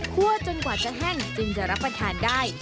จนกว่าจะแห้งจึงจะรับประทานได้